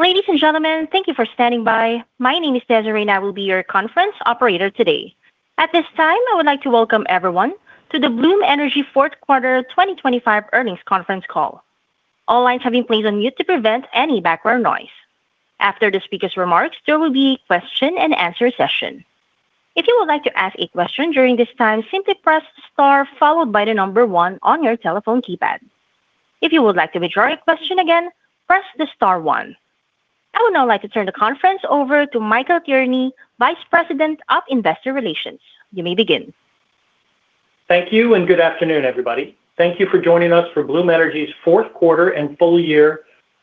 Ladies and gentlemen, thank you for standing by. My name is Desiree and I will be your conference operator today. At this time, I would like to welcome everyone to the Bloom Energy Fourth Quarter 2025 Earnings Conference call. All lines have been placed on mute to prevent any background noise. After the speaker's remarks, there will be a question-and-answer session. If you would like to ask a question during this time, simply press star followed by the number one on your telephone keypad. If you would like to withdraw your question again, press the star one. I would now like to turn the conference over to Michael Tierney, Vice President of Investor Relations. You may begin. Thank you and good afternoon, everybody. Thank you for joining us for Bloom Energy's Fourth Quarter and Full Year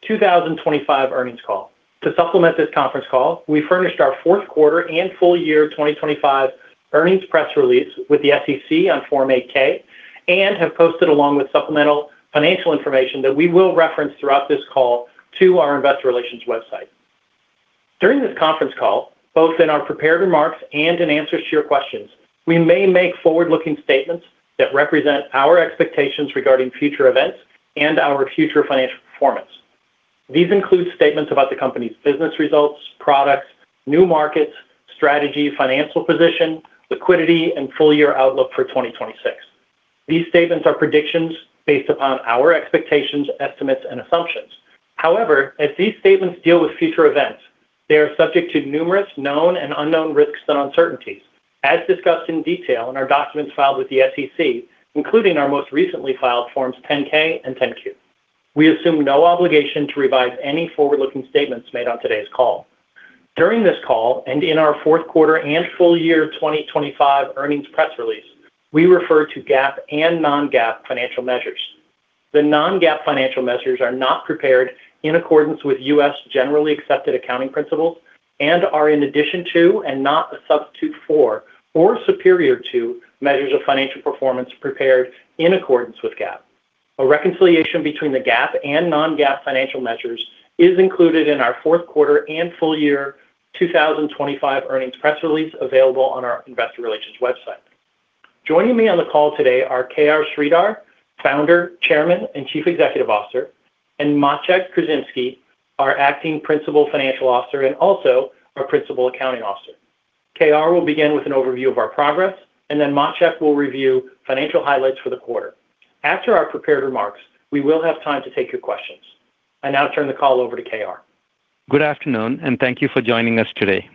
2025 Earnings call. To supplement this conference call, we furnished our Fourth Quarter and Full Year 2025 Earnings Press Release with the SEC on Form 8-K and have posted along with supplemental financial information that we will reference throughout this call to our Investor Relations website. During this conference call, both in our prepared remarks and in answers to your questions, we may make forward-looking statements that represent our expectations regarding future events and our future financial performance. These include statements about the company's business results, products, new markets, strategy, financial position, liquidity, and full-year outlook for 2026. These statements are predictions based upon our expectations, estimates, and assumptions. However, as these statements deal with future events, they are subject to numerous known and unknown risks and uncertainties, as discussed in detail in our documents filed with the SEC, including our most recently filed Forms 10-K and 10-Q. We assume no obligation to revise any forward-looking statements made on today's call. During this call and in our Fourth Quarter and Full Year 2025 Earnings Press Release, we refer to GAAP and non-GAAP financial measures. The non-GAAP financial measures are not prepared in accordance with U.S. generally accepted accounting principles and are in addition to and not a substitute for or superior to measures of financial performance prepared in accordance with GAAP. A reconciliation between the GAAP and non-GAAP financial measures is included in our Fourth Quarter and Full Year 2025 Earnings Press Release available on our Investor Relations website. Joining me on the call today are K.R. Sridhar, Founder, Chairman, and Chief Executive Officer, and Maciej Krzymuski, our Acting Principal Financial Officer and also our Principal Accounting Officer. K.R. will begin with an overview of our progress and then Maciej will review financial highlights for the quarter. After our prepared remarks, we will have time to take your questions. I now turn the call over to K.R. Good afternoon and thank you for joining us today.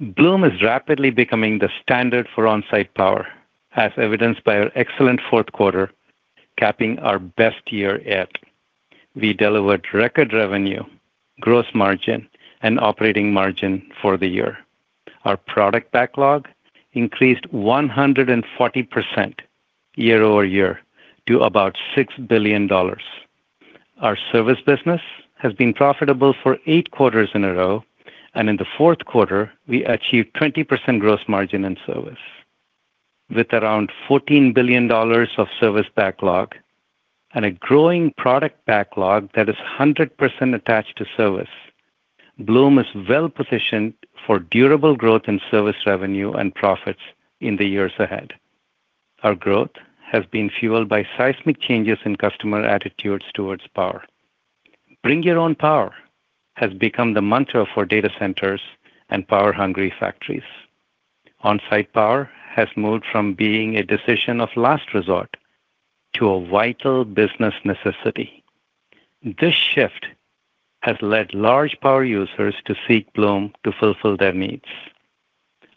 Bloom is rapidly becoming the standard for on-site power, as evidenced by our excellent Fourth Quarter, capping our best year yet. We delivered record revenue, gross margin, and operating margin for the year. Our product backlog increased 140% year-over-year to about $6 billion. Our service business has been profitable for eight quarters in a row, and in the Fourth Quarter, we achieved 20% gross margin in service. With around $14 billion of service backlog and a growing product backlog that is 100% attached to service, Bloom is well-positioned for durable growth in service revenue and profits in the years ahead. Our growth has been fueled by seismic changes in customer attitudes towards power. "Bring your own power" has become the mantra for data centers and power-hungry factories. On-site power has moved from being a decision of last resort to a vital business necessity. This shift has led large power users to seek Bloom to fulfill their needs.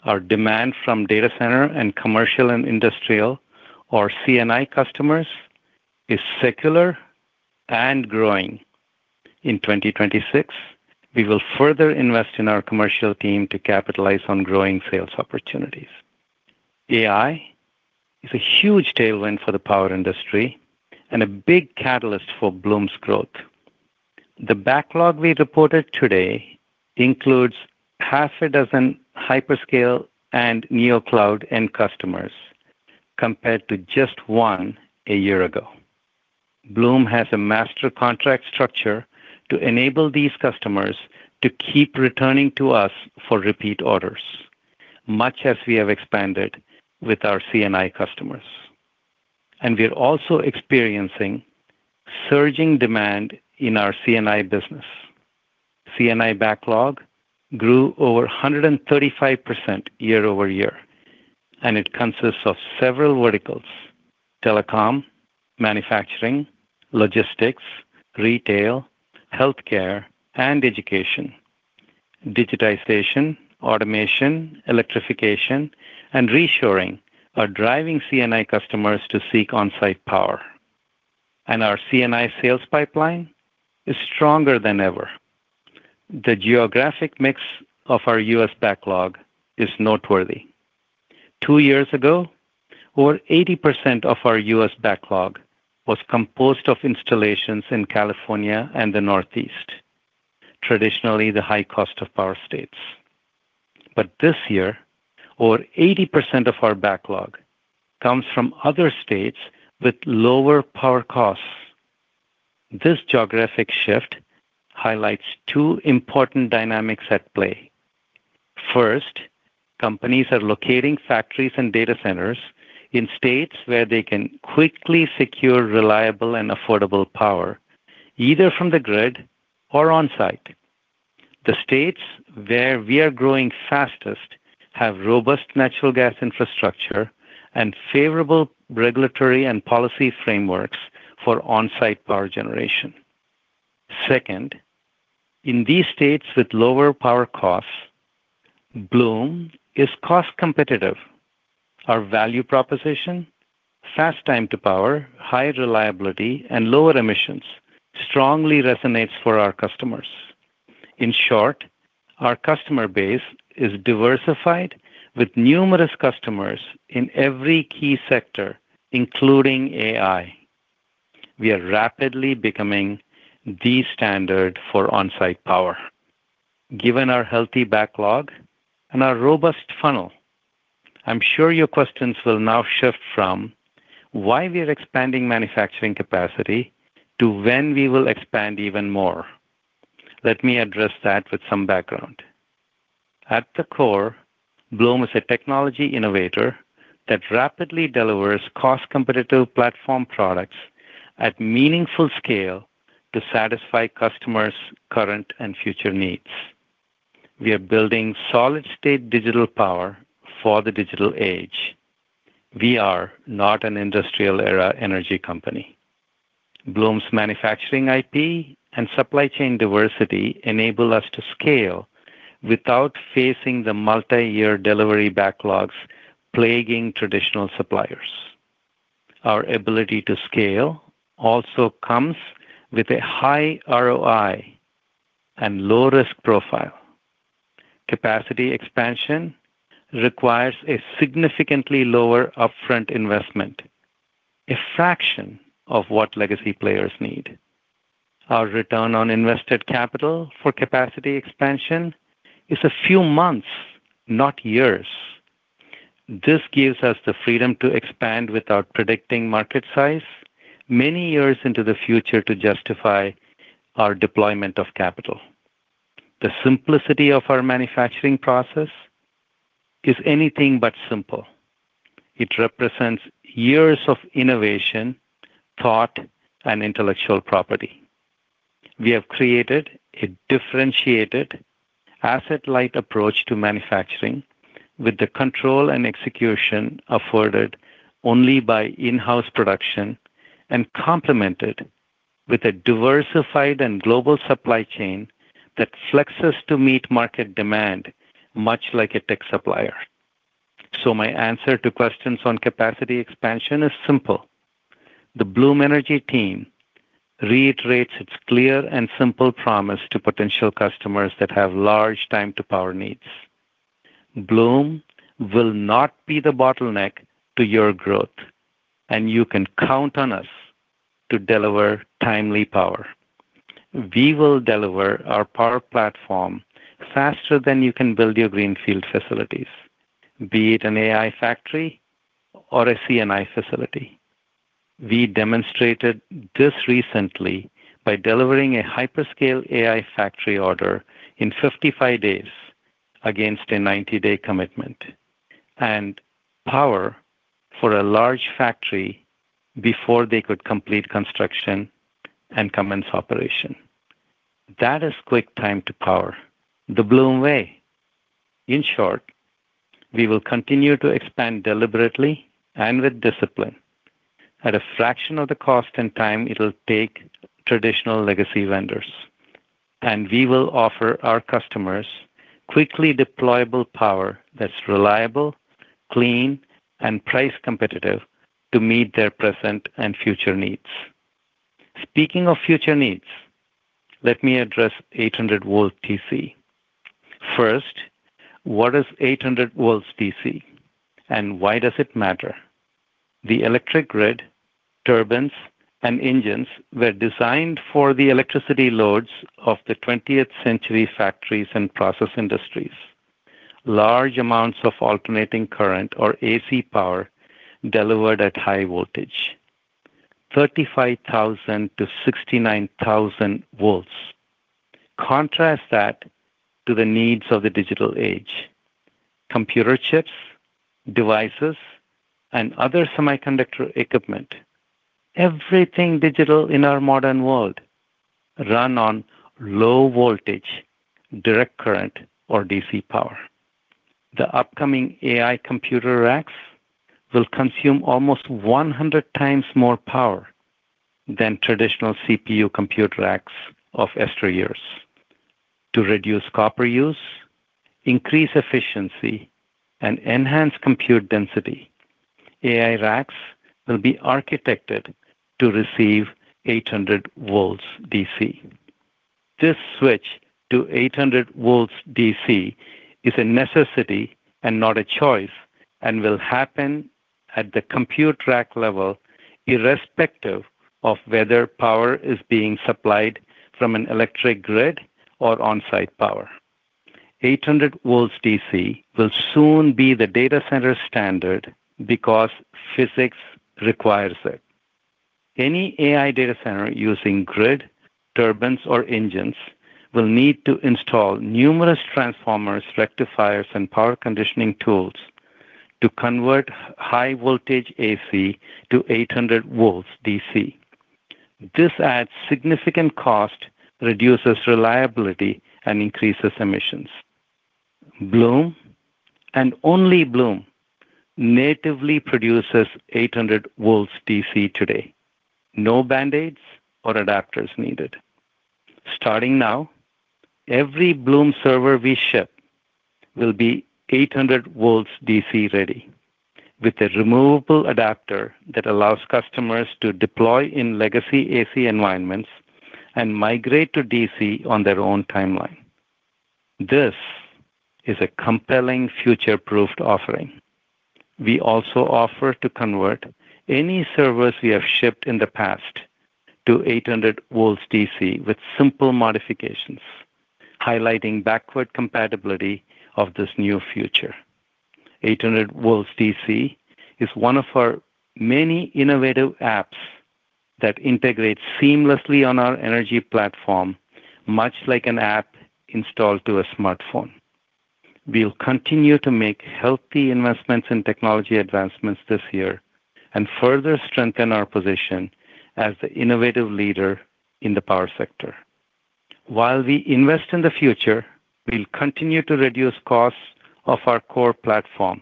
Our demand from data center and commercial and industrial, or C&I, customers is secular and growing. In 2026, we will further invest in our commercial team to capitalize on growing sales opportunities. AI is a huge tailwind for the power industry and a big catalyst for Bloom's growth. The backlog we reported today includes six hyperscale and neocloud end customers compared to just one a year ago. Bloom has a master contract structure to enable these customers to keep returning to us for repeat orders, much as we have expanded with our C&I customers. We are also experiencing surging demand in our C&I business. C&I backlog grew over 135% year-over-year, and it consists of several verticals: telecom, manufacturing, logistics, retail, healthcare, and education. Digitization, automation, electrification, and reshoring are driving C&I customers to seek on-site power. Our C&I sales pipeline is stronger than ever. The geographic mix of our U.S. backlog is noteworthy. Two years ago, over 80% of our U.S. backlog was composed of installations in California and the Northeast, traditionally the high-cost-of-power states. But this year, over 80% of our backlog comes from other states with lower power costs. This geographic shift highlights two important dynamics at play. First, companies are locating factories and data centers in states where they can quickly secure reliable and affordable power, either from the grid or on-site. The states where we are growing fastest have robust natural gas infrastructure and favorable regulatory and policy frameworks for on-site power generation. Second, in these states with lower power costs, Bloom is cost-competitive. Our value proposition, fast time to power, high reliability, and lower emissions, strongly resonates for our customers. In short, our customer base is diversified with numerous customers in every key sector, including AI. We are rapidly becoming the standard for on-site power. Given our healthy backlog and our robust funnel, I'm sure your questions will now shift from why we are expanding manufacturing capacity to when we will expand even more. Let me address that with some background. At the core, Bloom is a technology innovator that rapidly delivers cost-competitive platform products at meaningful scale to satisfy customers' current and future needs. We are building solid-state digital power for the digital age. We are not an industrial-era energy company. Bloom's manufacturing IP and supply chain diversity enable us to scale without facing the multi-year delivery backlogs plaguing traditional suppliers. Our ability to scale also comes with a high ROI and low-risk profile. Capacity expansion requires a significantly lower upfront investment, a fraction of what legacy players need. Our return on invested capital for capacity expansion is a few months, not years. This gives us the freedom to expand without predicting market size many years into the future to justify our deployment of capital. The simplicity of our manufacturing process is anything but simple. It represents years of innovation, thought, and intellectual property. We have created a differentiated, asset-light approach to manufacturing with the control and execution afforded only by in-house production and complemented with a diversified and global supply chain that flexes to meet market demand much like a tech supplier. So my answer to questions on capacity expansion is simple. The Bloom Energy team reiterates its clear and simple promise to potential customers that have large time-to-power needs: Bloom will not be the bottleneck to your growth, and you can count on us to deliver timely power. We will deliver our power platform faster than you can build your greenfield facilities, be it an AI factory or a C&I facility. We demonstrated this recently by delivering a hyperscale AI factory order in 55 days against a 90-day commitment and power for a large factory before they could complete construction and commence operation. That is quick time to power. The Bloom way. In short, we will continue to expand deliberately and with discipline. At a fraction of the cost and time it'll take traditional legacy vendors. We will offer our customers quickly deployable power that's reliable, clean, and price-competitive to meet their present and future needs. Speaking of future needs, let me address 800 volts DC. First, what is 800 volts DC, and why does it matter? The electric grid, turbines, and engines were designed for the electricity loads of the 20th century factories and process industries, large amounts of alternating current, or AC, power delivered at high voltage: 35,000-69,000 volts. Contrast that to the needs of the digital age. Computer chips, devices, and other semiconductor equipment, everything digital in our modern world, run on low voltage, direct current, or DC power. The upcoming AI computer racks will consume almost 100 times more power than traditional CPU computer racks of earlier years. To reduce copper use, increase efficiency, and enhance compute density, AI racks will be architected to receive 800 volts DC. This switch to 800 volts DC is a necessity and not a choice and will happen at the compute rack level irrespective of whether power is being supplied from an electric grid or on-site power. 800 volts DC will soon be the data center standard because physics requires it. Any AI data center using grid, turbines, or engines will need to install numerous transformers, rectifiers, and power conditioning tools to convert high voltage AC to 800 volts DC. This adds significant cost, reduces reliability, and increases emissions. Bloom, and only Bloom, natively produces 800 volts DC today. No Band-Aids or adapters needed. Starting now, every Bloom server we ship will be 800 volts DC ready with a removable adapter that allows customers to deploy in legacy AC environments and migrate to DC on their own timeline. This is a compelling, future-proofed offering. We also offer to convert any servers we have shipped in the past to 800 volts DC with simple modifications, highlighting backward compatibility of this new future. 800 volts DC is one of our many innovative apps that integrates seamlessly on our energy platform, much like an app installed to a smartphone. We'll continue to make healthy investments in technology advancements this year and further strengthen our position as the innovative leader in the power sector. While we invest in the future, we'll continue to reduce costs of our core platform,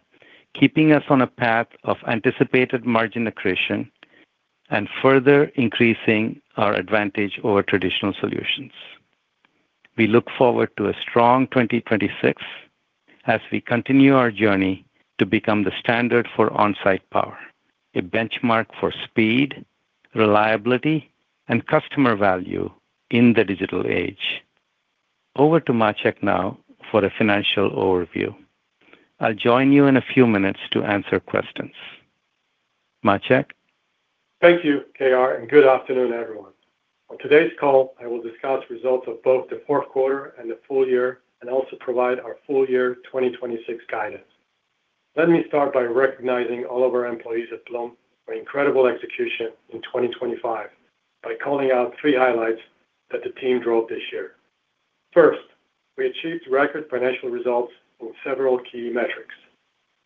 keeping us on a path of anticipated margin accretion and further increasing our advantage over traditional solutions. We look forward to a strong 2026 as we continue our journey to become the standard for on-site power, a benchmark for speed, reliability, and customer value in the digital age. Over to Maciej now for a financial overview. I'll join you in a few minutes to answer questions. Maciej? Thank you, K.R., and good afternoon, everyone. On today's call, I will discuss results of both the fourth quarter and the full year and also provide our full year 2026 guidance. Let me start by recognizing all of our employees at Bloom for incredible execution in 2025 by calling out three highlights that the team drove this year. First, we achieved record financial results in several key metrics.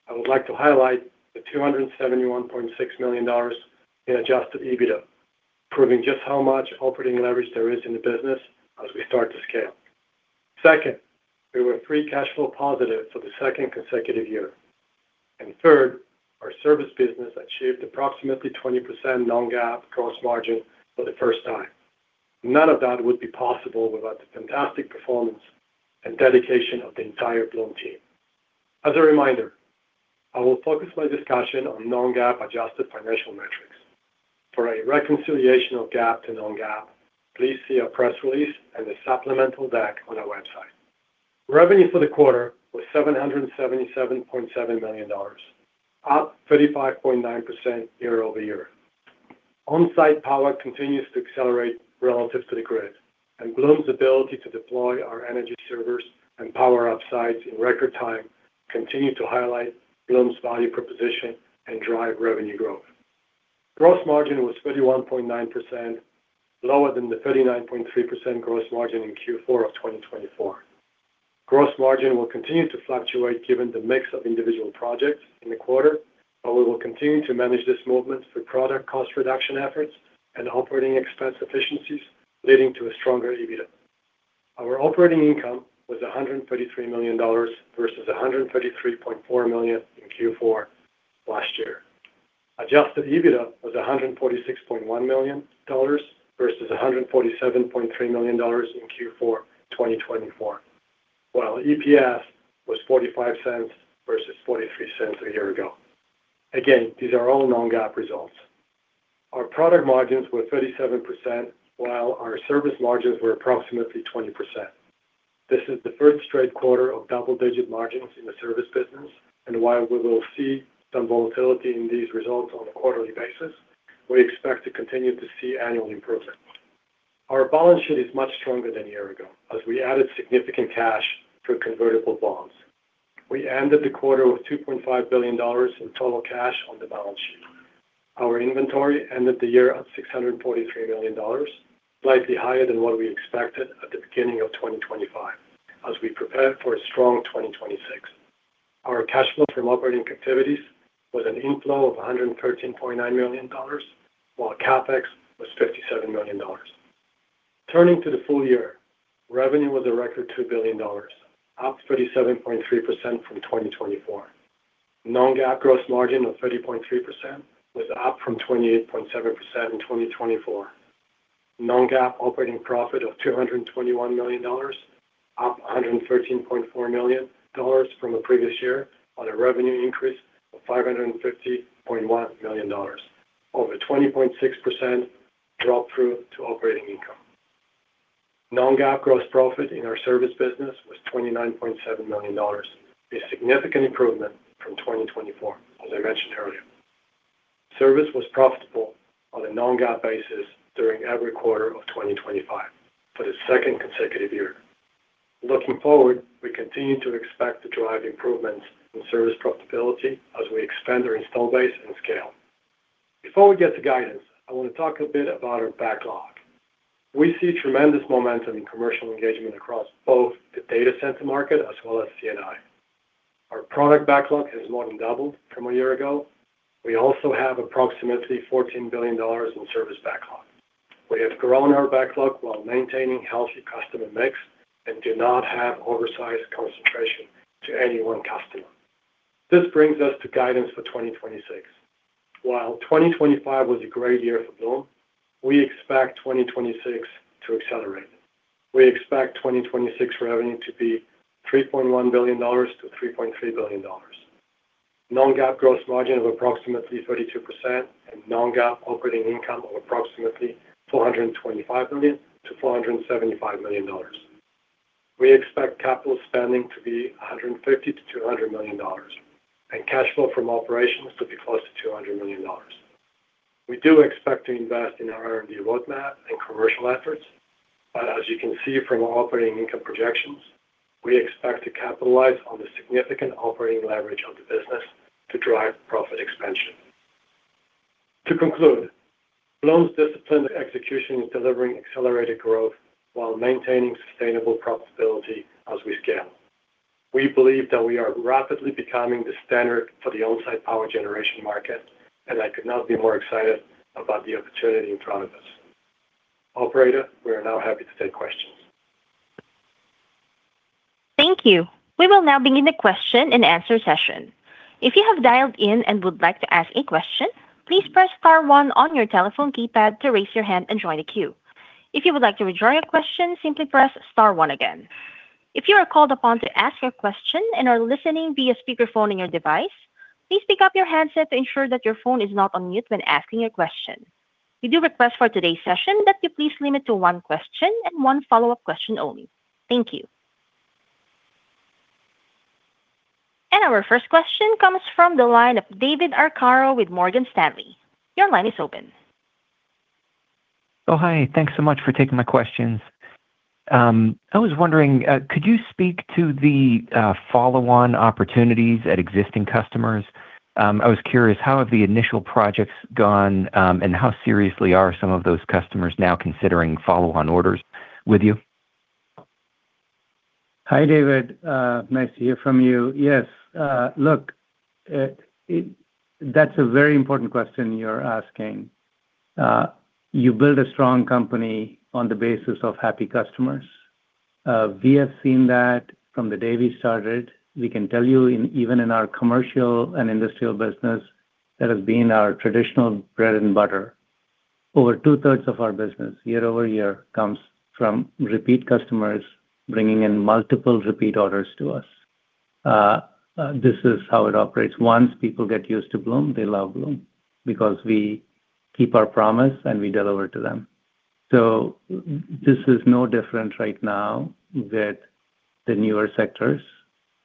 I would like to highlight the $271.6 million in Adjusted EBITDA, proving just how much operating leverage there is in the business as we start to scale. Second, we were free cash flow positive for the second consecutive year. Third, our service business achieved approximately 20% Non-GAAP gross margin for the first time. None of that would be possible without the fantastic performance and dedication of the entire Bloom team. As a reminder, I will focus my discussion on non-GAAP adjusted financial metrics. For a reconciliation of GAAP to non-GAAP, please see our press release and the supplemental deck on our website. Revenue for the quarter was $777.7 million, up 35.9% year-over-year. On-site power continues to accelerate relative to the grid, and Bloom's ability to deploy our energy servers and power up sites in record time continues to highlight Bloom's value proposition and drive revenue growth. Gross margin was 31.9%, lower than the 39.3% gross margin in Q4 of 2024. Gross margin will continue to fluctuate given the mix of individual projects in the quarter, but we will continue to manage this movement through product cost reduction efforts and operating expense efficiencies leading to a stronger EBITDA. Our operating income was $133 million versus $133.4 million in Q4 last year. Adjusted EBITDA was $146.1 million versus $147.3 million in Q4 2024, while EPS was $0.45 versus $0.43 a year ago. Again, these are all non-GAAP results. Our product margins were 37% while our service margins were approximately 20%. This is the third straight quarter of double-digit margins in the service business, and while we will see some volatility in these results on a quarterly basis, we expect to continue to see annual improvements. Our balance sheet is much stronger than a year ago as we added significant cash through convertible bonds. We ended the quarter with $2.5 billion in total cash on the balance sheet. Our inventory ended the year at $643 million, slightly higher than what we expected at the beginning of 2025 as we prepare for a strong 2026. Our cash flow from operating activities was an inflow of $113.9 million, while CapEx was $57 million. Turning to the full year, revenue was a record $2 billion, up 37.3% from 2024. Non-GAAP gross margin of 30.3% was up from 28.7% in 2024. Non-GAAP operating profit of $221 million, up $113.4 million from a previous year on a revenue increase of $550.1 million, over 20.6% drop-through to operating income. Non-GAAP gross profit in our service business was $29.7 million, a significant improvement from 2024, as I mentioned earlier. Service was profitable on a non-GAAP basis during every quarter of 2025 for the second consecutive year. Looking forward, we continue to expect to drive improvements in service profitability as we expand our install base and scale. Before we get to guidance, I want to talk a bit about our backlog. We see tremendous momentum in commercial engagement across both the data center market as well as C&I. Our product backlog has more than doubled from a year ago. We also have approximately $14 billion in service backlog. We have grown our backlog while maintaining a healthy customer mix and do not have oversized concentration to any one customer. This brings us to guidance for 2026. While 2025 was a great year for Bloom, we expect 2026 to accelerate. We expect 2026 revenue to be $3.1 billion-$3.3 billion, non-GAAP gross margin of approximately 32%, and non-GAAP operating income of approximately $425 million-$475 million. We expect capital spending to be $150 million-$200 million, and cash flow from operations to be close to $200 million. We do expect to invest in our R&D roadmap and commercial efforts, but as you can see from our operating income projections, we expect to capitalize on the significant operating leverage of the business to drive profit expansion. To conclude, Bloom's disciplined execution is delivering accelerated growth while maintaining sustainable profitability as we scale. We believe that we are rapidly becoming the standard for the on-site power generation market, and I could not be more excited about the opportunity in front of us. Operator, we are now happy to take questions. Thank you. We will now begin the question-and-answer session. If you have dialed in and would like to ask a question, please press star one on your telephone keypad to raise your hand and join the queue. If you would like to rejoin your question, simply press star one again. If you are called upon to ask your question and are listening via speakerphone in your device, please pick up your handset to ensure that your phone is not on mute when asking your question. We do request for today's session that you please limit to one question and one follow-up question only. Thank you. Our first question comes from the line of David Arcaro with Morgan Stanley. Your line is open. Oh, hi. Thanks so much for taking my questions. I was wondering, could you speak to the follow-on opportunities at existing customers? I was curious, how have the initial projects gone, and how seriously are some of those customers now considering follow-up orders with you? Hi, David. Nice to hear from you. Yes. Look, that's a very important question you're asking. You build a strong company on the basis of happy customers. We have seen that from the day we started. We can tell you, even in our commercial and industrial business, that has been our traditional bread and butter. Over two-thirds of our business, year-over-year, comes from repeat customers bringing in multiple repeat orders to us. This is how it operates. Once people get used to Bloom, they love Bloom because we keep our promise and we deliver to them. So this is no different right now with the newer sectors.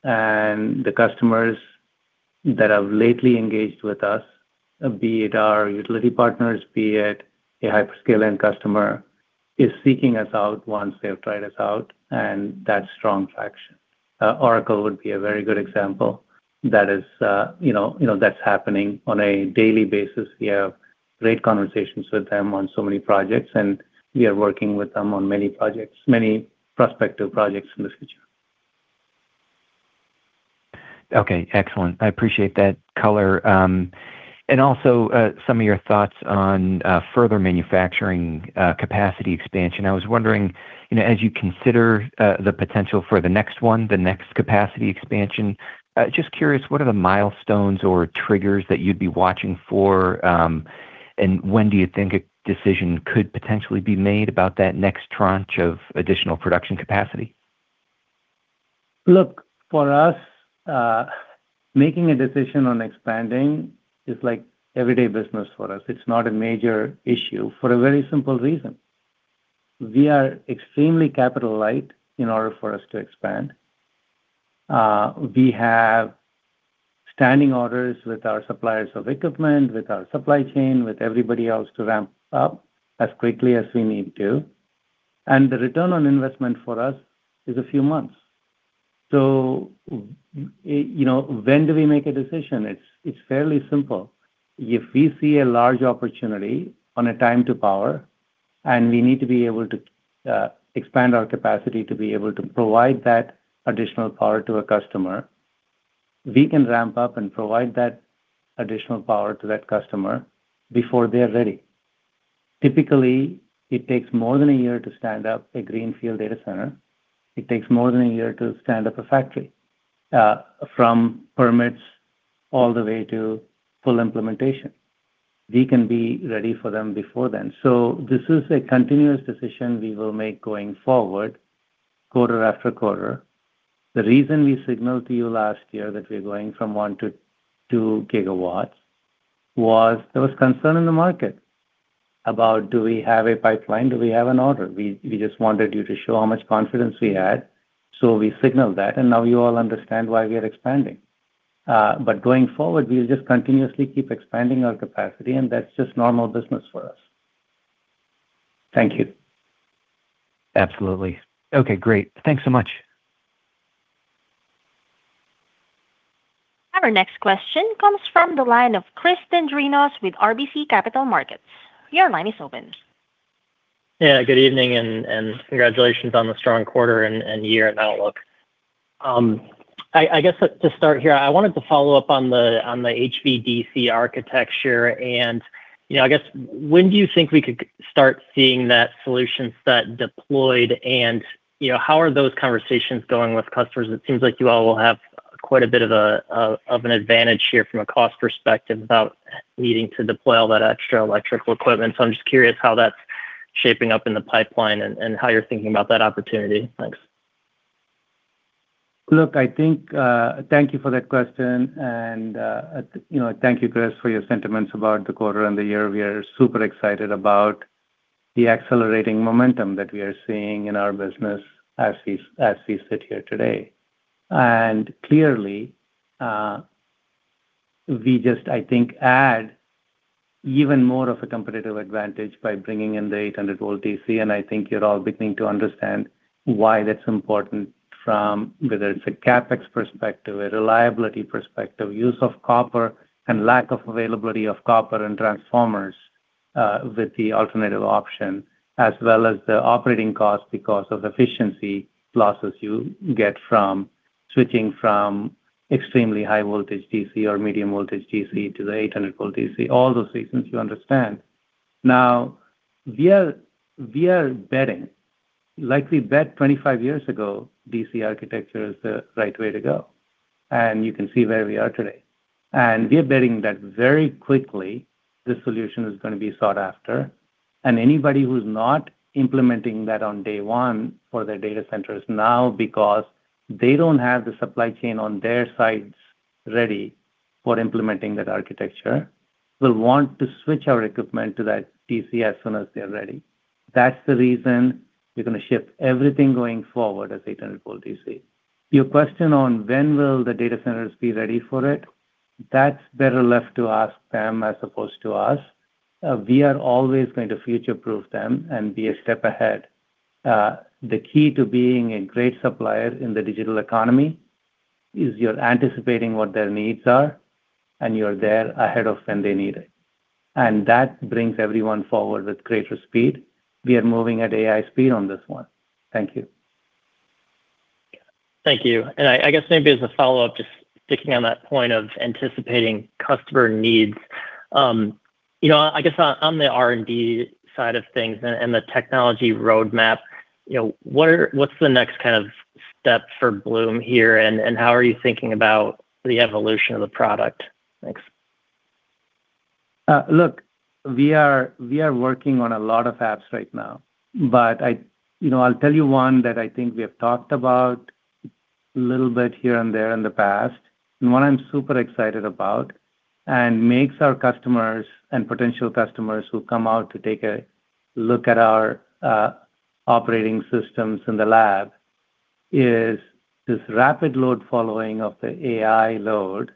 And the customers that have lately engaged with us, be it our utility partners, be it a hyperscale-end customer, are seeking us out once they've tried us out, and that's strong traction. Oracle would be a very good example. That is happening on a daily basis. We have great conversations with them on so many projects, and we are working with them on many prospective projects in the future. Okay. Excellent. I appreciate that color and also some of your thoughts on further manufacturing capacity expansion. I was wondering, as you consider the potential for the next one, the next capacity expansion, just curious, what are the milestones or triggers that you'd be watching for, and when do you think a decision could potentially be made about that next tranche of additional production capacity? Look, for us, making a decision on expanding is like everyday business for us. It's not a major issue for a very simple reason. We are extremely capital-light in order for us to expand. We have standing orders with our suppliers of equipment, with our supply chain, with everybody else to ramp up as quickly as we need to. And the return on investment for us is a few months. So when do we make a decision? It's fairly simple. If we see a large opportunity on a time to power and we need to be able to expand our capacity to be able to provide that additional power to a customer, we can ramp up and provide that additional power to that customer before they're ready. Typically, it takes more than a year to stand up a greenfield data center. It takes more than a year to stand up a factory, from permits all the way to full implementation. We can be ready for them before then. So this is a continuous decision we will make going forward, quarter after quarter. The reason we signaled to you last year that we're going from 1 to 2 GW was there was concern in the market about, "Do we have a pipeline? Do we have an order?" We just wanted you to show how much confidence we had, so we signaled that. And now you all understand why we are expanding. But going forward, we'll just continuously keep expanding our capacity, and that's just normal business for us. Thank you. Absolutely. Okay. Great. Thanks so much. Our next question comes from the line of Chris Dendrinos with RBC Capital Markets. Your line is open. Yeah. Good evening and congratulations on the strong quarter and year in outlook. I guess to start here, I wanted to follow up on the HVDC architecture. And I guess, when do you think we could start seeing that solution set deployed, and how are those conversations going with customers? It seems like you all will have quite a bit of an advantage here from a cost perspective without needing to deploy all that extra electrical equipment. So I'm just curious how that's shaping up in the pipeline and how you're thinking about that opportunity. Thanks. Look, I think. Thank you for that question. And thank you, Chris, for your sentiments about the quarter and the year. We are super excited about the accelerating momentum that we are seeing in our business as we sit here today. And clearly, we just, I think, add even more of a competitive advantage by bringing in the 800-volt DC. And I think you're all beginning to understand why that's important, whether it's a CapEx perspective, a reliability perspective, use of copper, and lack of availability of copper and transformers with the alternative option, as well as the operating cost because of efficiency losses you get from switching from extremely high-voltage DC or medium-voltage DC to the 800-volt DC. All those reasons you understand. Now, we are betting, like we bet 25 years ago, DC architecture is the right way to go. You can see where we are today. We are betting that very quickly, the solution is going to be sought after. Anybody who's not implementing that on day one for their data centers now because they don't have the supply chain on their sides ready for implementing that architecture will want to switch our equipment to that DC as soon as they're ready. That's the reason we're going to shift everything going forward as 800-volt DC. Your question on when will the data centers be ready for it, that's better left to ask them as opposed to us. We are always going to future-proof them and be a step ahead. The key to being a great supplier in the digital economy is you're anticipating what their needs are, and you're there ahead of when they need it. And that brings everyone forward with greater speed. We are moving at AI speed on this one. Thank you. Thank you. And I guess maybe as a follow-up, just sticking on that point of anticipating customer needs, I guess on the R&D side of things and the technology roadmap, what's the next kind of step for Bloom here, and how are you thinking about the evolution of the product? Thanks. Look, we are working on a lot of apps right now. But I'll tell you one that I think we have talked about a little bit here and there in the past, and one I'm super excited about and makes our customers and potential customers who come out to take a look at our operating systems in the lab is this rapid load following of the AI load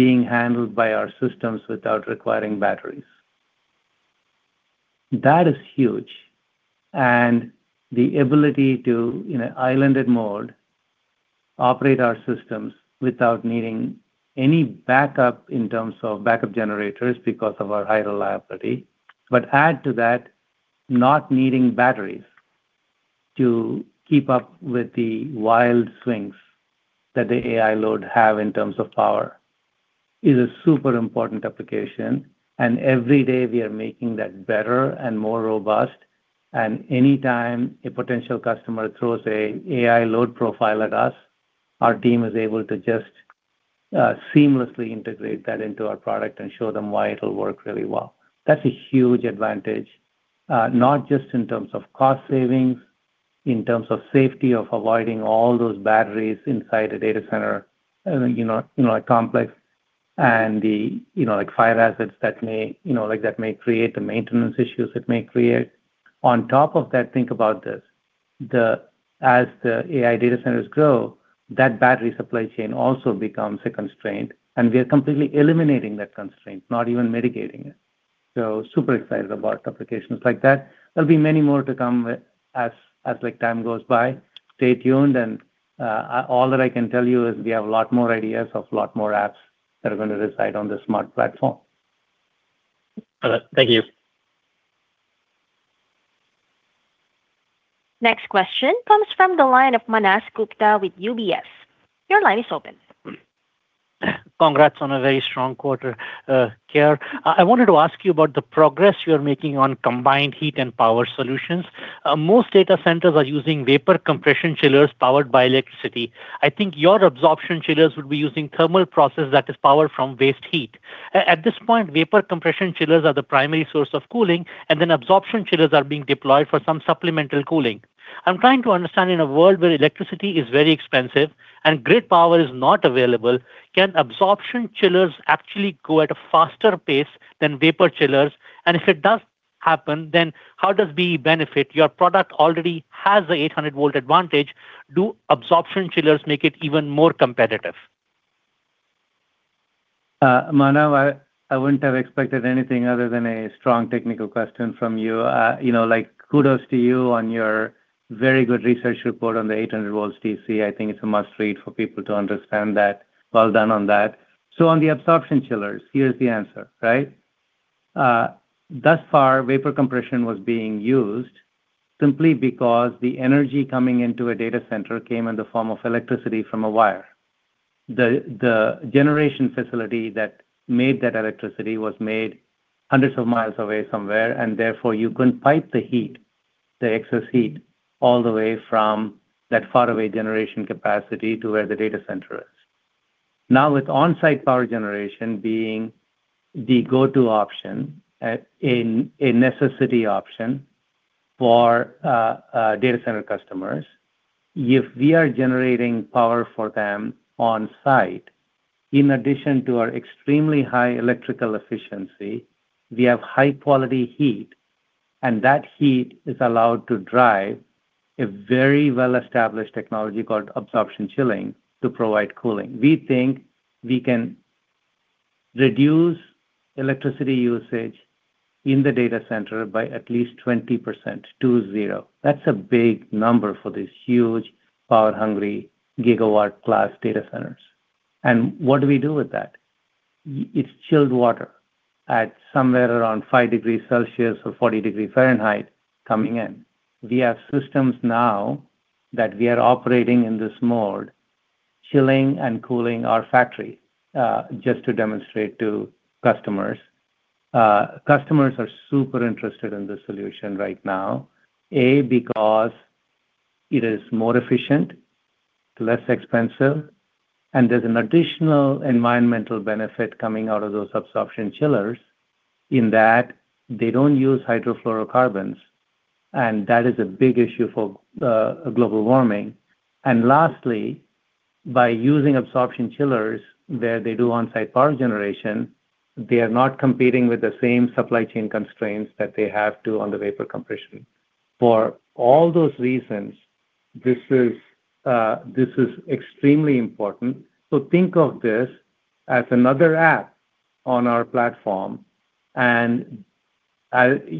being handled by our systems without requiring batteries. That is huge. And the ability to, in an islanded mode, operate our systems without needing any backup in terms of backup generators because of our high reliability, but add to that not needing batteries to keep up with the wild swings that the AI load has in terms of power, is a super important application. And every day, we are making that better and more robust. Anytime a potential customer throws an AI load profile at us, our team is able to just seamlessly integrate that into our product and show them why it'll work really well. That's a huge advantage, not just in terms of cost savings, in terms of safety of avoiding all those batteries inside a data center complex and the fire hazards that may create the maintenance issues it may create. On top of that, think about this. As the AI data centers grow, that battery supply chain also becomes a constraint, and we are completely eliminating that constraint, not even mitigating it. Super excited about applications like that. There'll be many more to come as time goes by. Stay tuned. All that I can tell you is we have a lot more ideas of a lot more apps that are going to reside on the smart platform. Thank you. Next question comes from the line of Manav Gupta with UBS. Your line is open. Congrats on a very strong quarter, K.R. I wanted to ask you about the progress you are making on combined heat and power solutions. Most data centers are using vapor compression chillers powered by electricity. I think your absorption chillers would be using thermal process that is powered from waste heat. At this point, vapor compression chillers are the primary source of cooling, and then absorption chillers are being deployed for some supplemental cooling. I'm trying to understand, in a world where electricity is very expensive and grid power is not available, can absorption chillers actually go at a faster pace than vapor chillers? And if it does happen, then how does BE benefit? Your product already has the 800-volt advantage. Do absorption chillers make it even more competitive? Manav, I wouldn't have expected anything other than a strong technical question from you. Kudos to you on your very good research report on the 800-volt DC. I think it's a must-read for people to understand that. Well done on that. So on the absorption chillers, here's the answer, right? Thus far, vapor compression was being used simply because the energy coming into a data center came in the form of electricity from a wire. The generation facility that made that electricity was made hundreds of miles away somewhere. And therefore, you couldn't pipe the excess heat all the way from that faraway generation capacity to where the data center is. Now, with on-site power generation being the go-to option, a necessity option for data center customers, if we are generating power for them on-site, in addition to our extremely high electrical efficiency, we have high-quality heat, and that heat is allowed to drive a very well-established technology called absorption chilling to provide cooling. We think we can reduce electricity usage in the data center by at least 20% to 0. That's a big number for these huge, power-hungry gigawatt-class data centers. And what do we do with that? It's chilled water at somewhere around five degrees Celsius or 40 degrees Fahrenheit coming in. We have systems now that we are operating in this mode, chilling and cooling our factory just to demonstrate to customers. Customers are super interested in this solution right now, because it is more efficient, less expensive, and there's an additional environmental benefit coming out of those absorption chillers in that they don't use hydrofluorocarbons. That is a big issue for global warming. Lastly, by using absorption chillers where they do on-site power generation, they are not competing with the same supply chain constraints that they have on the vapor compression. For all those reasons, this is extremely important. Think of this as another app on our platform.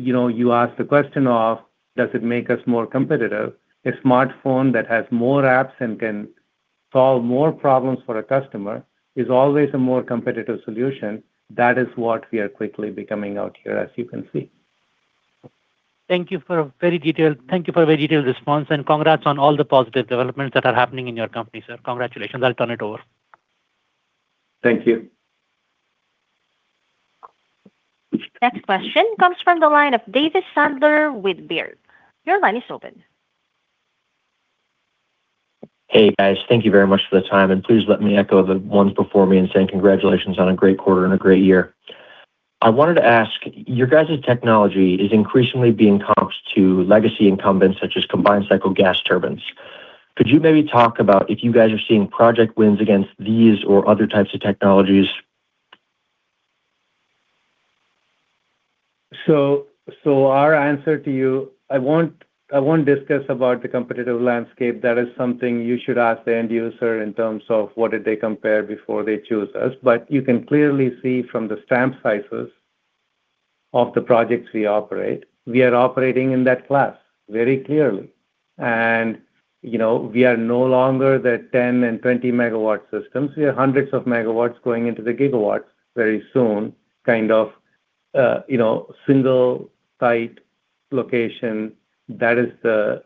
You asked the question of, does it make us more competitive? A smartphone that has more apps and can solve more problems for a customer is always a more competitive solution. That is what we are quickly becoming out here, as you can see. Thank you for a very detailed response. Congrats on all the positive developments that are happening in your company, sir. Congratulations. I'll turn it over. Thank you. Next question comes from the line of Davis Sunderland with Baird. Your line is open. Hey, guys. Thank you very much for the time. And please let me echo the ones before me in saying congratulations on a great quarter and a great year. I wanted to ask, your guys' technology is increasingly being comped to legacy incumbents such as combined-cycle gas turbines. Could you maybe talk about if you guys are seeing project wins against these or other types of technologies? Our answer to you, I won't discuss about the competitive landscape. That is something you should ask the end user in terms of what did they compare before they choose us. But you can clearly see from the stamp sizes of the projects we operate, we are operating in that class very clearly. And we are no longer the 10 and 20 megawatt systems. We are hundreds of megawatts going into the gigawatts very soon, kind of single tight location. That is the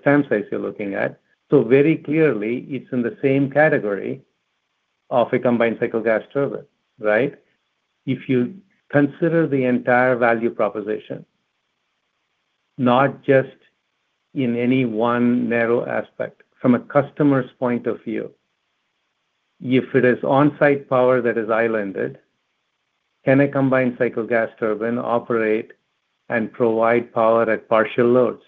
stamp size you're looking at. So very clearly, it's in the same category of a combined-cycle gas turbine, right? If you consider the entire value proposition, not just in any one narrow aspect from a customer's point of view, if it is on-site power that is islanded, can a combined-cycle gas turbine operate and provide power at partial loads?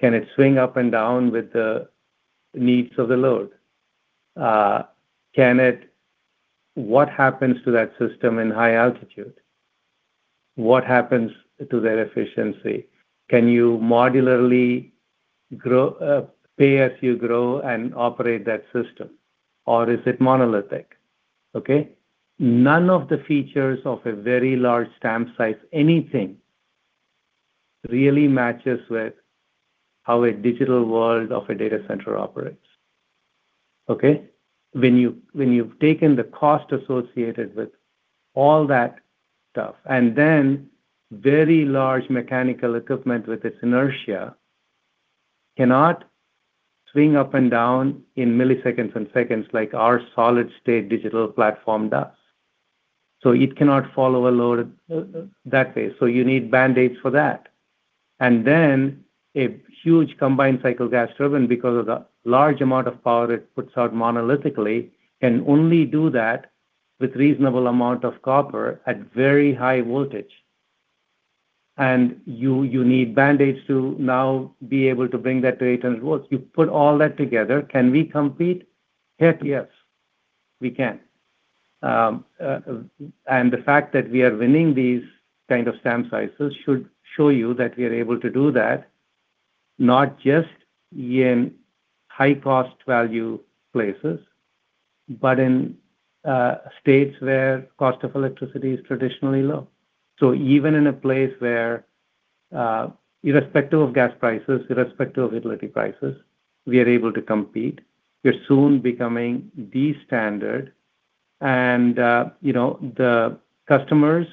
Can it swing up and down with the needs of the load? What happens to that system in high altitude? What happens to their efficiency? Can you modularly pay as you grow and operate that system, or is it monolithic? Okay? None of the features of a very large stamp size, anything, really matches with how a digital world of a data center operates, okay, when you've taken the cost associated with all that stuff. Very large mechanical equipment with its inertia cannot swing up and down in milliseconds and seconds like our solid-state digital platform does. It cannot follow a load that way. You need Band-Aids for that. A huge combined-cycle gas turbine, because of the large amount of power it puts out monolithically, can only do that with a reasonable amount of copper at very high voltage. You need band-aids to now be able to bring that to 800 volts. You put all that together. Can we compete? Yes, we can. The fact that we are winning these kind of stamp sizes should show you that we are able to do that not just in high-cost value places, but in states where the cost of electricity is traditionally low. So even in a place where, irrespective of gas prices, irrespective of utility prices, we are able to compete, we're soon becoming the standard. And the customers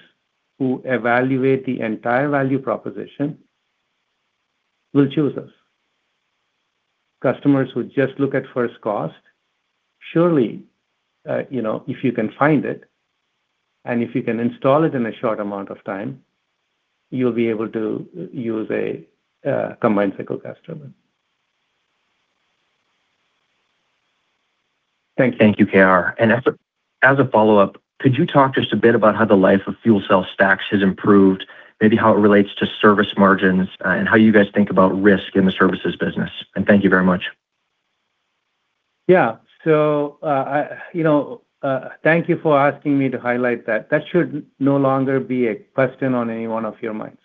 who evaluate the entire value proposition will choose us. Customers who just look at first cost, surely, if you can find it and if you can install it in a short amount of time, you'll be able to use a combined-cycle gas turbine. Thank you. Thank you, K.R. And as a follow-up, could you talk just a bit about how the life of fuel cell stacks has improved, maybe how it relates to service margins and how you guys think about risk in the services business? And thank you very much. Yeah. So thank you for asking me to highlight that. That should no longer be a question on any one of your minds.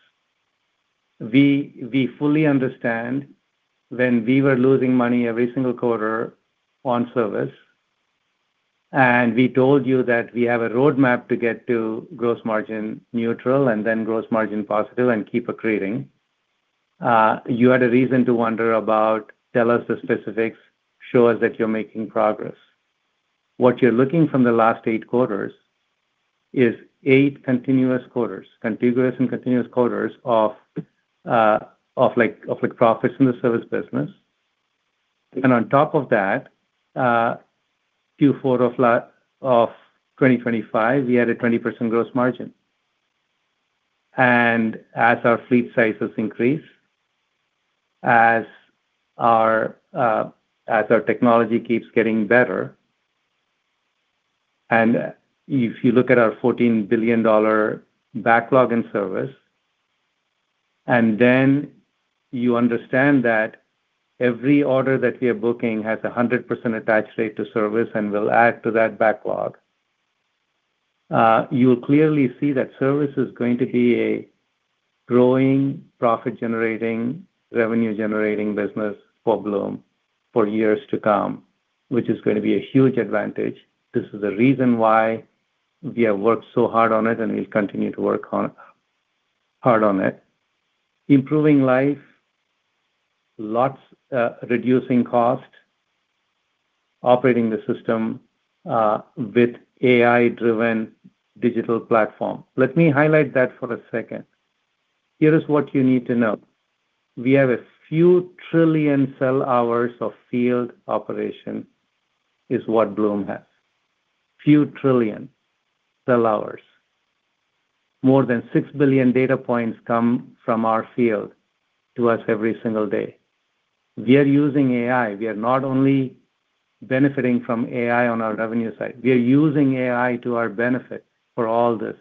We fully understand when we were losing money every single quarter on service, and we told you that we have a roadmap to get to gross margin neutral and then gross margin positive and keep accreting. You had a reason to wonder about, "Tell us the specifics. Show us that you're making progress." What you're looking from the last eight quarters is eight continuous quarters, contiguous and continuous quarters of profits in the service business. On top of that, Q4 of 2025, we had a 20% gross margin. As our fleet sizes increase, as our technology keeps getting better, and if you look at our $14 billion backlog in service, and then you understand that every order that we are booking has a 100% attached rate to service and will add to that backlog, you will clearly see that service is going to be a growing, profit-generating, revenue-generating business for Bloom for years to come, which is going to be a huge advantage. This is the reason why we have worked so hard on it, and we'll continue to work hard on it. Improving life, reducing cost, operating the system with an AI-driven digital platform. Let me highlight that for a second. Here is what you need to know. We have a few trillion cell hours of field operation. That is what Bloom has: a few trillion cell hours. More than six billion data points come from our field to us every single day. We are using AI. We are not only benefiting from AI on our revenue side. We are using AI to our benefit for all this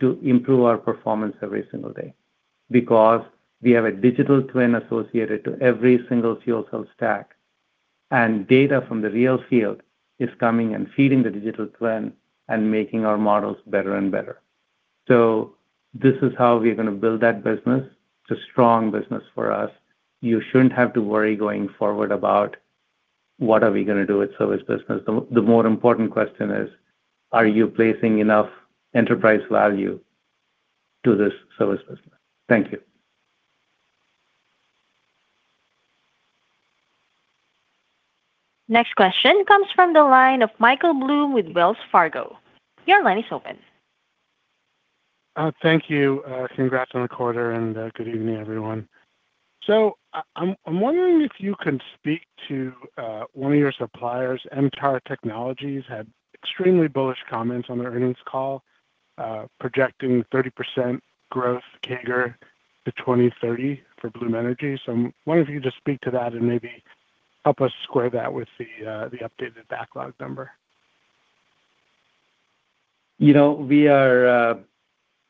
to improve our performance every single day because we have a digital twin associated to every single fuel cell stack. And data from the real field is coming and feeding the digital twin and making our models better and better. So this is how we're going to build that business, a strong business for us. You shouldn't have to worry going forward about, "What are we going to do with service business?" The more important question is, "Are you placing enough enterprise value to this service business?" Thank you. Next question comes from the line of Michael Blum with Wells Fargo. Your line is open. Thank you. Congrats on the quarter, and good evening, everyone. So I'm wondering if you can speak to one of your suppliers. MTAR Technologies had extremely bullish comments on their earnings call, projecting 30% growth CAGR to 2030 for Bloom Energy. So I'm wondering if you could just speak to that and maybe help us square that with the updated backlog number. We are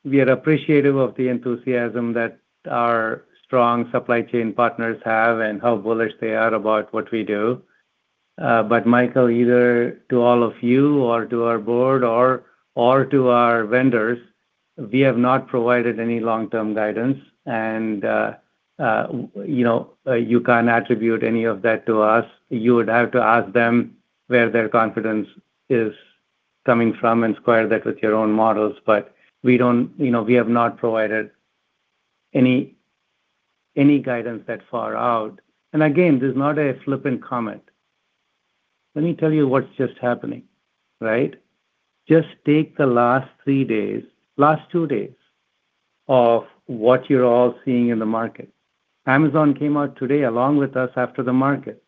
appreciative of the enthusiasm that our strong supply chain partners have and how bullish they are about what we do. But Michael, either to all of you or to our board or to our vendors, we have not provided any long-term guidance. And you can't attribute any of that to us. You would have to ask them where their confidence is coming from and square that with your own models. But we have not provided any guidance that far out. And again, this is not a flippant comment. Let me tell you what's just happening, right? Just take the last three days, last two days of what you're all seeing in the market. Amazon came out today along with us after the market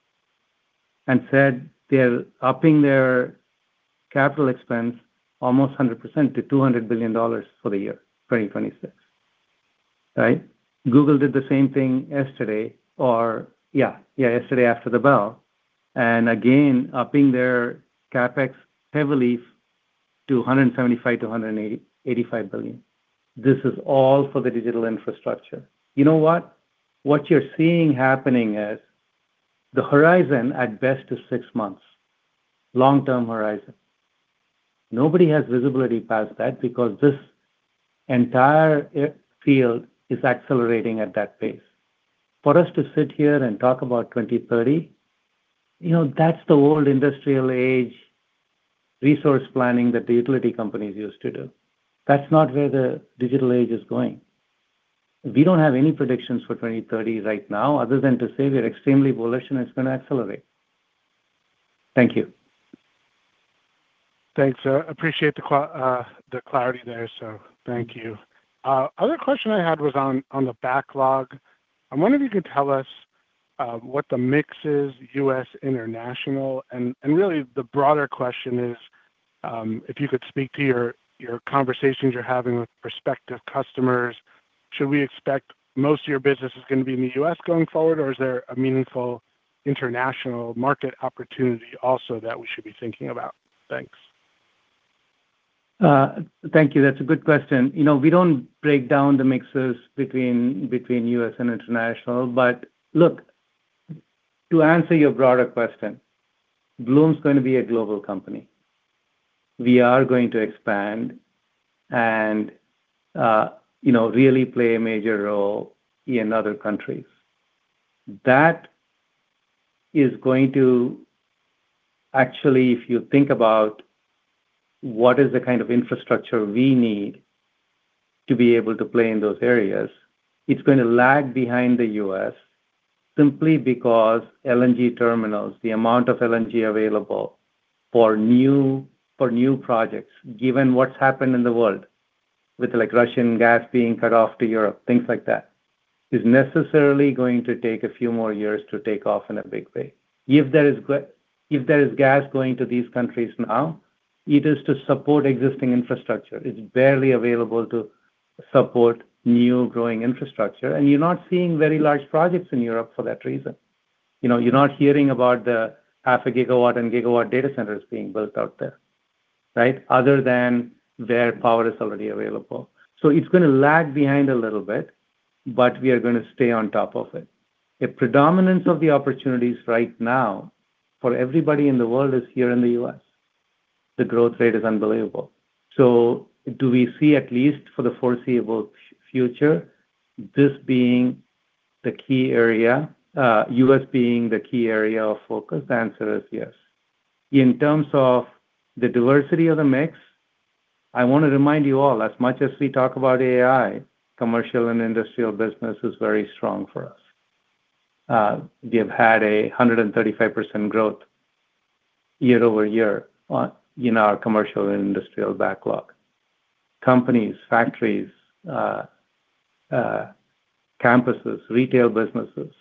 and said they're upping their capital expense almost 100% to $200 billion for the year 2026, right? Google did the same thing yesterday or, yeah, yeah, yesterday after the bell and again, upping their CapEx heavily to $175 billion-$185 billion. This is all for the digital infrastructure. You know what? What you're seeing happening is the horizon at best is six months, long-term horizon. Nobody has visibility past that because this entire field is accelerating at that pace. For us to sit here and talk about 2030, that's the old industrial age resource planning that the utility companies used to do. That's not where the digital age is going. We don't have any predictions for 2030 right now other than to say we're extremely bullish and it's going to accelerate. Thank you. Thanks, sir. Appreciate the clarity there, sir. Thank you. Other question I had was on the backlog. I'm wondering if you could tell us what the mix is, U.S., international. And really, the broader question is, if you could speak to your conversations you're having with prospective customers, should we expect most of your business is going to be in the U.S. going forward, or is there a meaningful international market opportunity also that we should be thinking about? Thanks. Thank you. That's a good question. We don't break down the mixes between U.S. and international. But look, to answer your broader question, Bloom is going to be a global company. We are going to expand and really play a major role in other countries. That is going to actually, if you think about what is the kind of infrastructure we need to be able to play in those areas, it's going to lag behind the U.S. simply because LNG terminals, the amount of LNG available for new projects, given what's happened in the world with Russian gas being cut off to Europe, things like that, is necessarily going to take a few more years to take off in a big way. If there is gas going to these countries now, it is to support existing infrastructure. It's barely available to support new growing infrastructure. And you're not seeing very large projects in Europe for that reason. You're not hearing about the half a gigawatt and gigawatt data centers being built out there, right, other than where power is already available. So it's going to lag behind a little bit, but we are going to stay on top of it. The predominance of the opportunities right now for everybody in the world is here in the U.S. The growth rate is unbelievable. So do we see, at least for the foreseeable future, this being the key area, U.S. being the key area of focus? The answer is yes. In terms of the diversity of the mix, I want to remind you all, as much as we talk about AI, commercial and industrial business is very strong for us. We have had a 135% growth year-over-year in our commercial and industrial backlog. Companies, factories, campuses, retail businesses,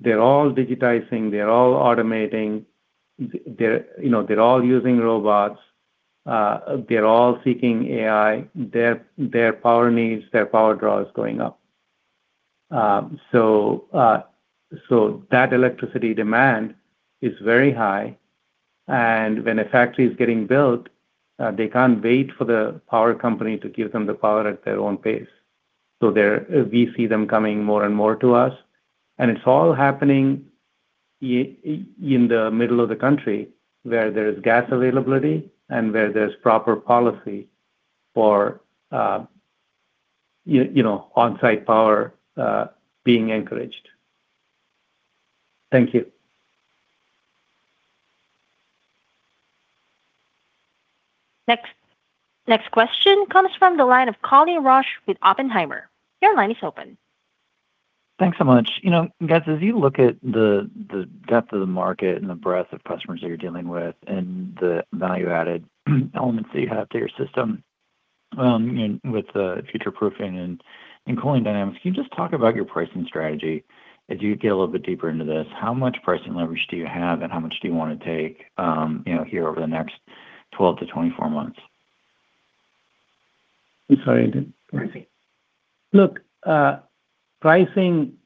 they're all digitizing. They're all automating. They're all using robots. They're all seeking AI. Their power needs, their power draw is going up. So that electricity demand is very high. And when a factory is getting built, they can't wait for the power company to give them the power at their own pace. So we see them coming more and more to us. And it's all happening in the middle of the country where there is gas availability and where there's proper policy for on-site power being encouraged. Thank you. Next question comes from the line of Colin Rusch with Oppenheimer. Your line is open. Thanks so much. Guys, as you look at the depth of the market and the breadth of customers that you're dealing with and the value-added elements that you have to your system with future-proofing and cooling dynamics, can you just talk about your pricing strategy as you get a little bit deeper into this? How much pricing leverage do you have, and how much do you want to take here over the next 12-24 months? I'm sorry, I didn't. Pricing. Look, pricing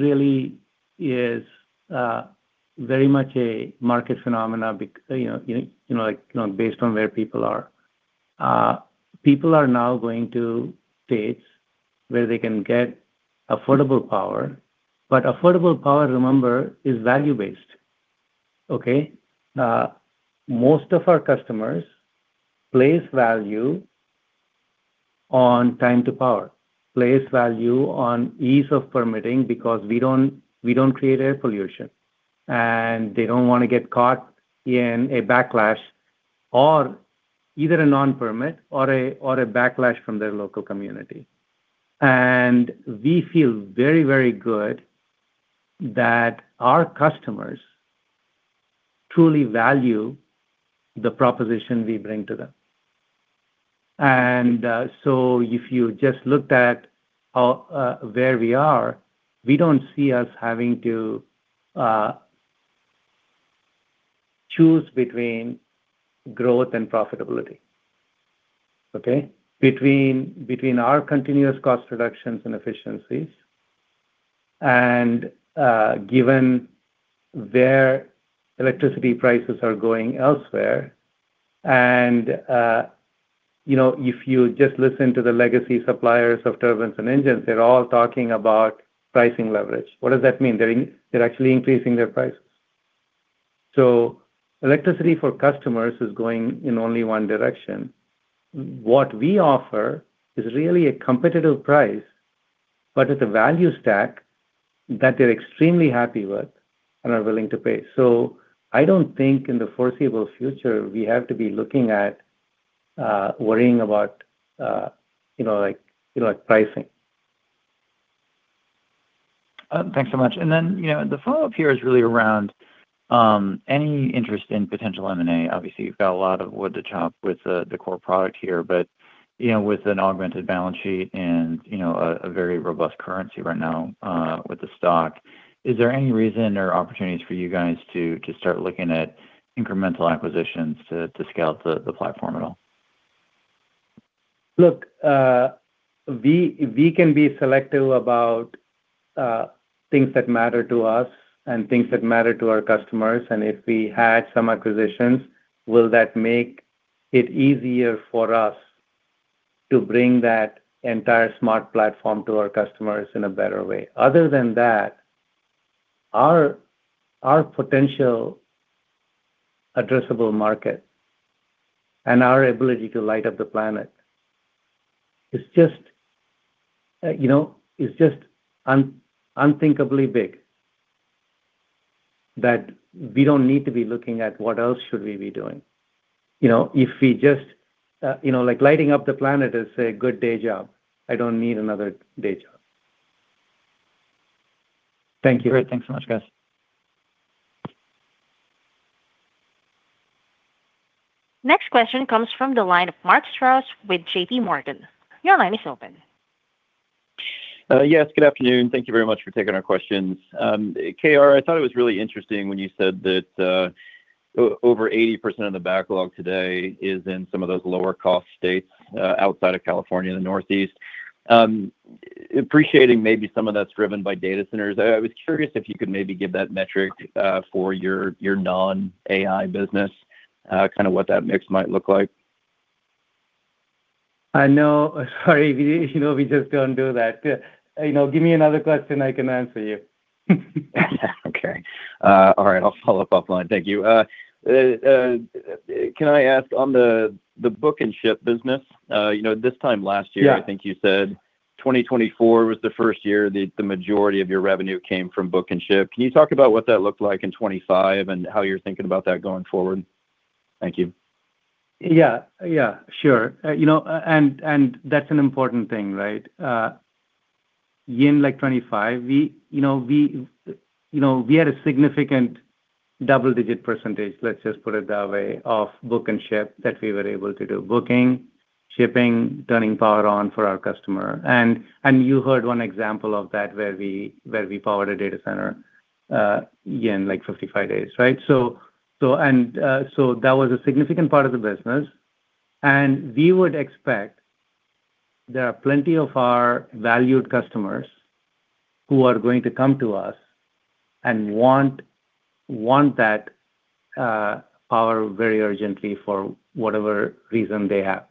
really is very much a market phenomena based on where people are. People are now going to states where they can get affordable power. But affordable power, remember, is value-based, okay? Most of our customers place value on time to power, place value on ease of permitting because we don't create air pollution. And they don't want to get caught in a backlash or either a non-permit or a backlash from their local community. And we feel very, very good that our customers truly value the proposition we bring to them. And so if you just looked at where we are, we don't see us having to choose between growth and profitability, okay, between our continuous cost reductions and efficiencies and given where electricity prices are going elsewhere. And if you just listen to the legacy suppliers of turbines and engines, they're all talking about pricing leverage. What does that mean? They're actually increasing their prices. So electricity for customers is going in only one direction. What we offer is really a competitive price, but it's a value stack that they're extremely happy with and are willing to pay. I don't think in the foreseeable future, we have to be looking at worrying about pricing. Thanks so much. Then the follow-up here is really around any interest in potential M&A. Obviously, you've got a lot of wood to chop with the core product here. But with an augmented balance sheet and a very robust currency right now with the stock, is there any reason or opportunities for you guys to start looking at incremental acquisitions to scale the platform at all? Look, we can be selective about things that matter to us and things that matter to our customers. And if we had some acquisitions, will that make it easier for us to bring that entire smart platform to our customers in a better way? Other than that, our potential addressable market and our ability to light up the planet is just unthinkably big. That we don't need to be looking at what else should we be doing. If we just lighting up the planet is a good day job, I don't need another day job. Thank you. Great. Thanks so much, guys. Next question comes from the line of Mark Strouse with J.P. Morgan. Your line is open. Yes. Good afternoon. Thank you very much for taking our questions. K.R., I thought it was really interesting when you said that over 80% of the backlog today is in some of those lower-cost states outside of California, the Northeast. Appreciating maybe some of that's driven by data centers. I was curious if you could maybe give that metric for your non-AI business, kind of what that mix might look like. Sorry. We just don't do that. Give me another question, I can't answer you. Okay. All right. I'll follow up offline. Thank you. Can I ask, on the book and ship business, this time last year, I think you said 2024 was the first year the majority of your revenue came from book and ship. Can you talk about what that looked like in 2025 and how you're thinking about that going forward? Thank you. Yeah. Yeah. Sure. That's an important thing, right? In 2025, we had a significant double-digit percentage, let's just put it that way, of book and ship that we were able to do, booking, shipping, turning power on for our customer. You heard one example of that where we powered a data center in 55 days, right? So that was a significant part of the business. We would expect there are plenty of our valued customers who are going to come to us and want that power very urgently for whatever reason they have.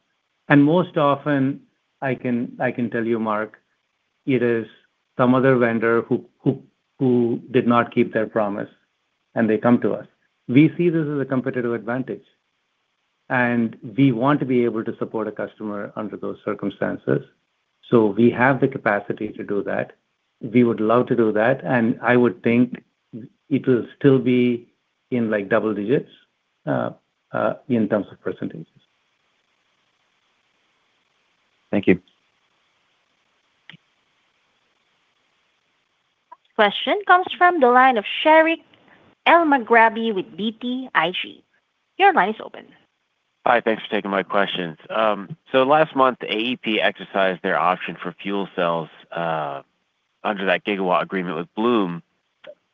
And most often, I can tell you, Mark, it is some other vendor who did not keep their promise, and they come to us. We see this as a competitive advantage. And we want to be able to support a customer under those circumstances. So we have the capacity to do that. We would love to do that. And I would think it will still be in double digits in terms of percentages. Thank you. Next question comes from the line of Sherif Elmaghrabi with BTIG. Your line is open. Hi. Thanks for taking my questions. So last month, AEP exercised their option for fuel cells under that gigawatt agreement with Bloom,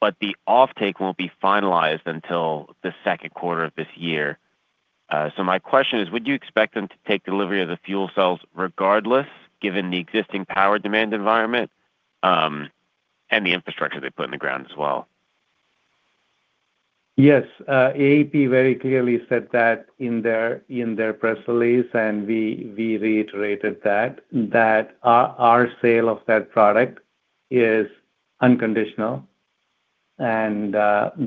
but the offtake won't be finalized until the second quarter of this year. So my question is, would you expect them to take delivery of the fuel cells regardless, given the existing power demand environment and the infrastructure they put in the ground as well? Yes. AEP very clearly said that in their press release, and we reiterated that, that our sale of that product is unconditional, and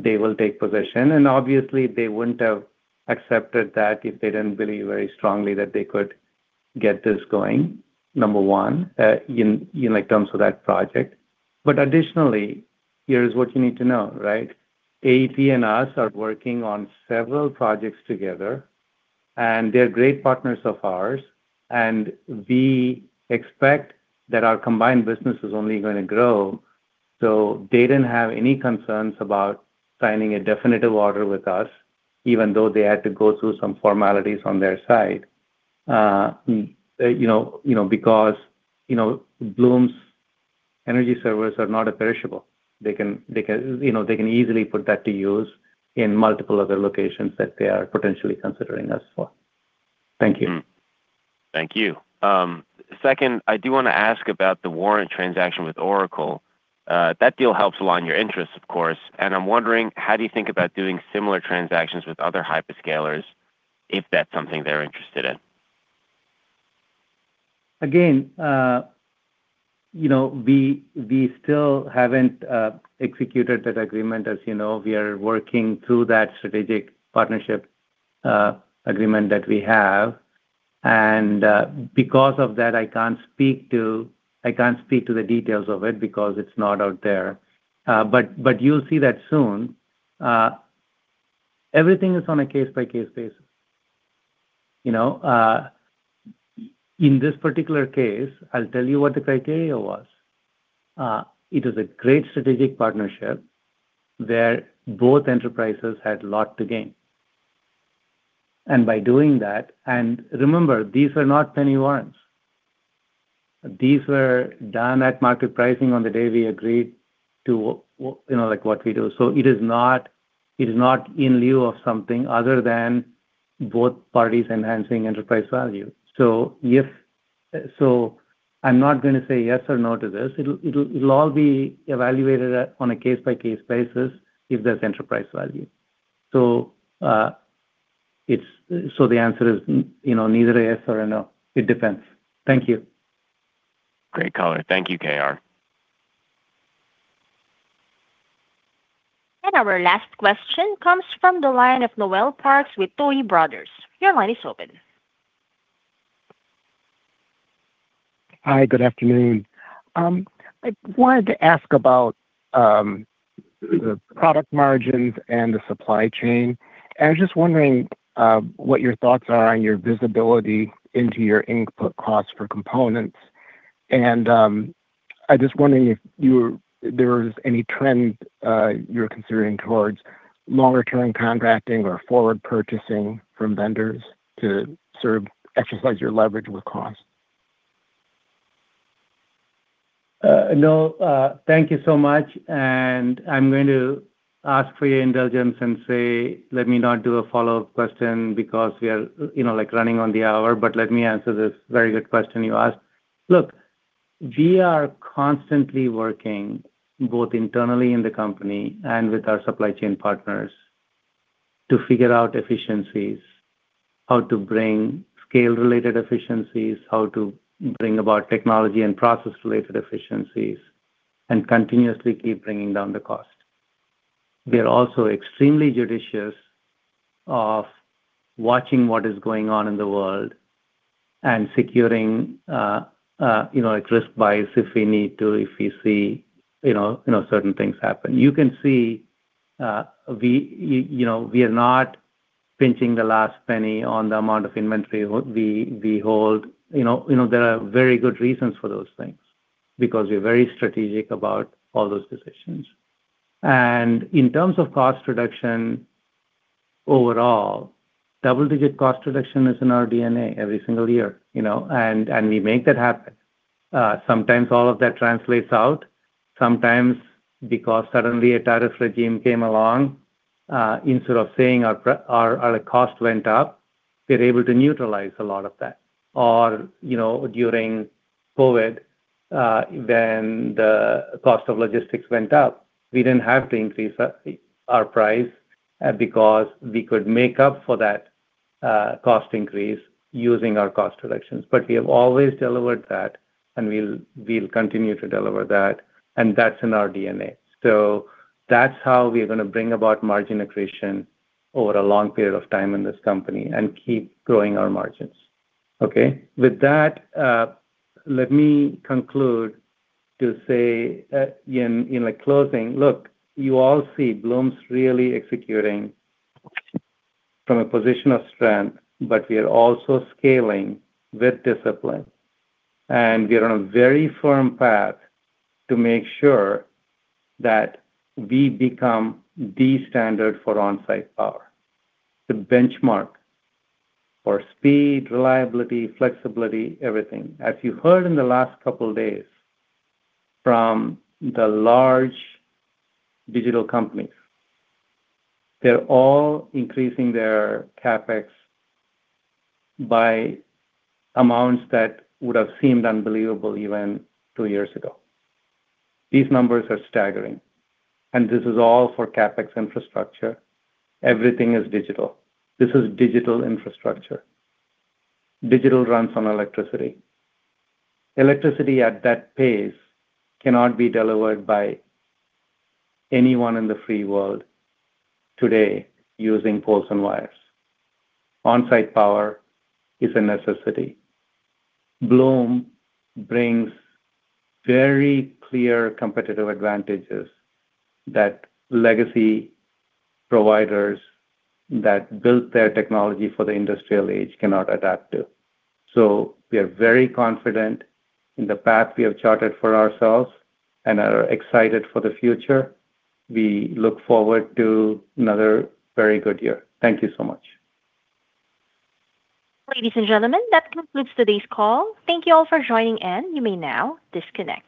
they will take position. And obviously, they wouldn't have accepted that if they didn't believe very strongly that they could get this going, number one, in terms of that project. But additionally, here's what you need to know, right? AEP and us are working on several projects together, and they're great partners of ours. And we expect that our combined business is only going to grow. So they didn't have any concerns about signing a definitive order with us, even though they had to go through some formalities on their side because Bloom Energy Servers are not perishable. They can easily put that to use in multiple other locations that they are potentially considering us for. Thank you. Thank you. Second, I do want to ask about the warrant transaction with Oracle. That deal helps align your interests, of course. And I'm wondering, how do you think about doing similar transactions with other hyperscalers, if that's something they're interested in? Again, we still haven't executed that agreement. As you know, we are working through that strategic partnership agreement that we have. And because of that, I can't speak to the details of it because it's not out there. But you'll see that soon. Everything is on a case-by-case basis. In this particular case, I'll tell you what the criteria was. It was a great strategic partnership where both enterprises had a lot to gain. And by doing that and remember, these were not penny warrants. These were done at market pricing on the day we agreed to what we do. So it is not in lieu of something other than both parties enhancing enterprise value. So I'm not going to say yes or no to this. It'll all be evaluated on a case-by-case basis if there's enterprise value. So the answer is neither a yes nor a no. It depends. Thank you. Great color. Thank you, K.R. Our last question comes from the line of Noel Parks with Tuohy Brothers. Your line is open. Hi. Good afternoon. I wanted to ask about the product margins and the supply chain. I was just wondering what your thoughts are on your visibility into your input costs for components. I'm just wondering if there was any trend you were considering towards longer-term contracting or forward purchasing from vendors to exercise your leverage with cost. Noel. Thank you so much. I'm going to ask for your indulgence and say, let me not do a follow-up question because we are running on the hour. But let me answer this very good question you asked. Look, we are constantly working both internally in the company and with our supply chain partners to figure out efficiencies, how to bring scale-related efficiencies, how to bring about technology and process-related efficiencies, and continuously keep bringing down the cost. We are also extremely judicious of watching what is going on in the world and securing risk buys if we need to, if we see certain things happen. You can see we are not pinching the last penny on the amount of inventory we hold. There are very good reasons for those things because we're very strategic about all those decisions. In terms of cost reduction overall, double-digit cost reduction is in our DNA every single year. We make that happen. Sometimes all of that translates out. Sometimes because suddenly a tariff regime came along, instead of saying our cost went up, we're able to neutralize a lot of that. Or during COVID, when the cost of logistics went up, we didn't have to increase our price because we could make up for that cost increase using our cost reductions. But we have always delivered that, and we'll continue to deliver that. And that's in our DNA. So that's how we're going to bring about margin accretion over a long period of time in this company and keep growing our margins, okay? With that, let me conclude to say in closing, look, you all see Bloom's really executing from a position of strength, but we are also scaling with discipline. We are on a very firm path to make sure that we become the standard for on-site power, the benchmark for speed, reliability, flexibility, everything. As you heard in the last couple of days from the large digital companies, they're all increasing their CapEx by amounts that would have seemed unbelievable even two years ago. These numbers are staggering. This is all for CapEx infrastructure. Everything is digital. This is digital infrastructure. Digital runs on electricity. Electricity at that pace cannot be delivered by anyone in the free world today using poles and wires. On-site power is a necessity. Bloom brings very clear competitive advantages that legacy providers that built their technology for the industrial age cannot adapt to. So we are very confident in the path we have charted for ourselves and are excited for the future. We look forward to another very good year. Thank you so much. Ladies and gentlemen, that concludes today's call. Thank you all for joining, and you may now disconnect.